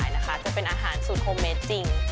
เอาล่ะเดินทางมาถึงในช่วงไฮไลท์ของตลอดกินในวันนี้แล้วนะครับ